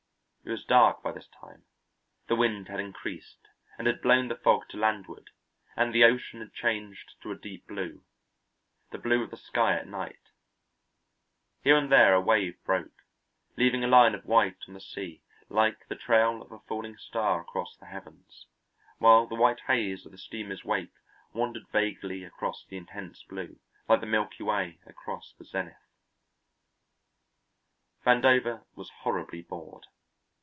It was dark by this time, the wind had increased and had blown the fog to landward, and the ocean had changed to a deep blue, the blue of the sky at night; here and there a wave broke, leaving a line of white on the sea like the trail of a falling star across the heavens, while the white haze of the steamer's wake wandered vaguely across the intense blue like the milky way across the zenith. Vandover was horribly bored.